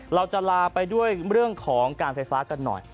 เราจะลาไปด้วยเรื่องของการไฟฟ้ากันหน่อย